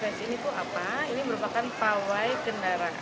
bandung light festival ini merupakan pawai kendaraan